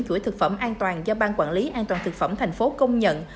chuỗi thực phẩm an toàn do ban quản lý an toàn thực phẩm thành phố công nhận